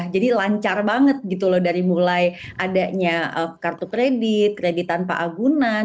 jadi lancar banget gitu loh dari mulai adanya kartu kredit kredit tanpa agunan